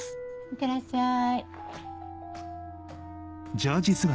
いってらっしゃい。